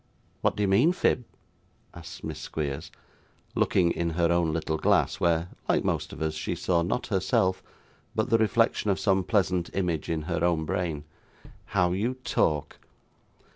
'What do you mean, Phib?' asked Miss Squeers, looking in her own little glass, where, like most of us, she saw not herself, but the reflection of some pleasant image in her own brain. 'How you talk!